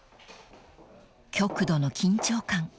［極度の緊張感］